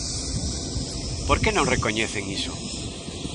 ¿Por que non recoñecen iso?